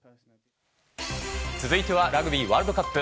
続いてはラグビーワールドカップ。